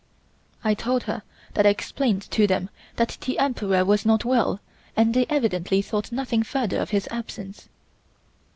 I told her that I explained to them that the Emperor was not well and they evidently thought nothing further of his absence.